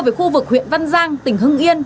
về khu vực huyện văn giang tỉnh hưng yên